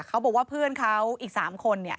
เขาบอกว่าเพื่อนเขาอีก๓คน